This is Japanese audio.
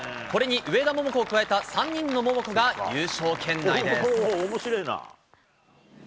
これに上田桃子を加えた３人の桃子が優勝圏内です。